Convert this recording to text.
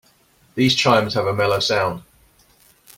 These chimes have a mellow sound.